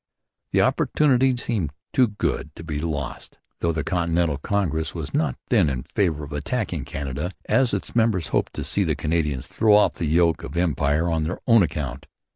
The opportunity seemed too good to be lost; though the Continental Congress was not then in favour of attacking Canada, as its members hoped to see the Canadians throw off the yoke of empire on their own account.